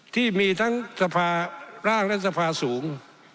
ที่มีทั้งสภาร่างรัฐสภาสูง